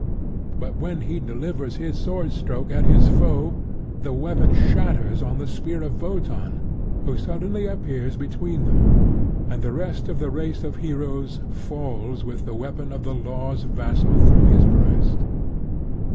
But when he delivers his sword stroke at his foe, the weapon shivers on the spear of Wotan, who suddenly appears between them; and the first of the race of heroes falls with the weapon of the Law's vassal through his breast.